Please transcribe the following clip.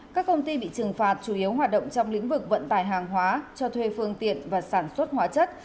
các công ty bị trừng phạt chủ yếu hoạt động trong lĩnh vực vận tải hàng hóa cho thuê phương tiện và sản xuất hóa chất